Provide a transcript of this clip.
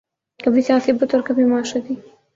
کبھی سیاسی بت اور کبھی معاشرتی